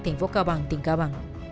thành phố cao bằng tỉnh cao bằng